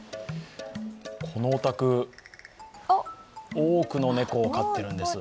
このお宅、多くの猫を飼ってるんですよ。